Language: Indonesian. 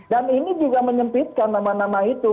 dan ini juga menyempitkan nama nama itu